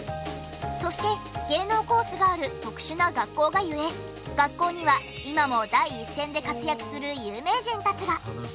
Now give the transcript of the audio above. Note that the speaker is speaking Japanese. そして芸能コースがある特殊な学校がゆえ学校には今も第一線で活躍する有名人たちが。